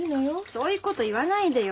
そういうこと言わないでよ。